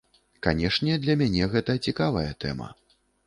Канешне, для мяне гэта цікавая тэма.